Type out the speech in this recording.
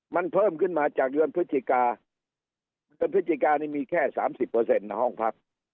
มันเพิ่มขึ้นมาจากเดือนพฤศจิกาเดือนพฤศจิกานี่มีแค่๓๐ในห้องพัก